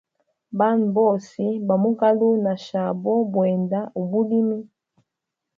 Bana Babose bamugaluwa na shabo bwenda ubulimi.